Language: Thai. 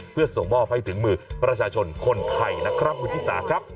เพื่อส่งมอบให้ถึงมือประชาชนคนไทยนะครับคุณชิสาครับ